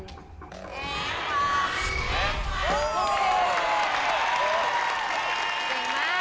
เยี่ยมมากค่ะ